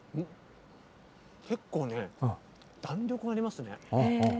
結構ね、弾力がありますね。